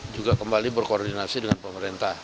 juga kembali berkoordinasi dengan pemerintah